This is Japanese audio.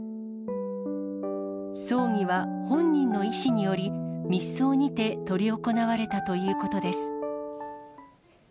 葬儀は本人の意思により、密葬にて執り行われたということです。